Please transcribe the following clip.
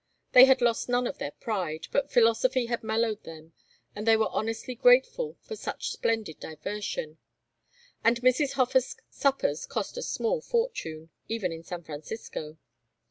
They had lost none of their pride, but philosophy had mellowed them, and they were honestly grateful for such splendid diversion; and Mrs. Hofer's suppers cost a small fortune, even in San Francisco.